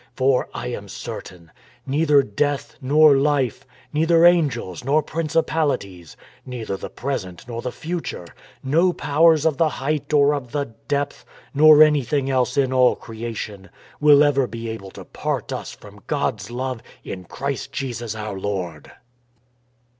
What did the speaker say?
FOR I AM CERTAIN NEITHER DEATH NOR LIFE, NEITHER ANGELS NOR PRINCIPALITIES, NEITHER THE PRESENT NOR THE FUTURE, NO POWERS OF THE HEIGHT OR OF THE DEPTH, NOR ANYTHING ELSE IN ALL CREATION WILL BE ABLE TO PART US FROM GOD'S LOVE IN CHRIST JESUS OUR LORD.